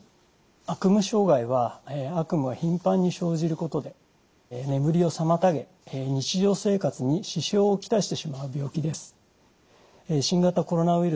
悪夢障害は悪夢がひんぱんに生じることで眠りを妨げ日常生活に支障を来してしまう病気です。